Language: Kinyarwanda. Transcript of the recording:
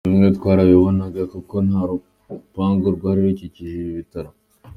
Bimwe twaranabibonaga kuko kuko nta rupangu rwari rukikije ibi bitaro.